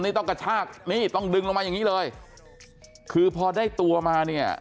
นี่ต้องกระชากนี่ต้องดึงลงมาอย่างนี้เลยคือพอได้ตัวมาเนี่ย